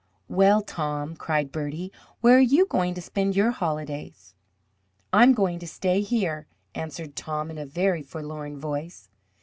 "Well, Tom," cried Bertie, "where are you going to spend your holidays?" "I am going to stay here," answered Tom in a very forlorn voice.